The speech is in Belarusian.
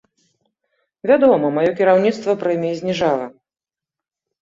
Вядома, маё кіраўніцтва прэміі зніжала.